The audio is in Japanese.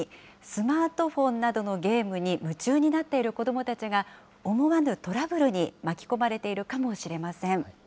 スマートフォンなどのゲームに夢中になっている子どもたちが、思わぬトラブルに巻き込まれているかもしれません。